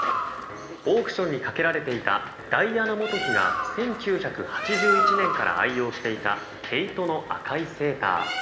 オークションにかけられていたダイアナ元妃が１９８１年から愛用していた毛糸の赤いセーター。